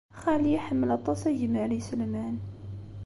Xali iḥemmel aṭas agmar n yiselman.